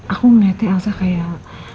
aku melihatnya elsa kayak